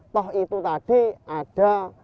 toh itu tadi ada